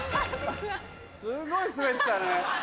すごい滑ってたね。